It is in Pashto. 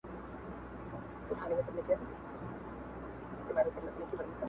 او کور چوپ پاته کيږي